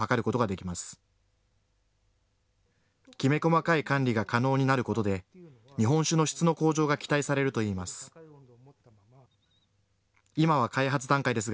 きめ細かい管理が可能になることで日本酒の質の向上が期待されるといいます。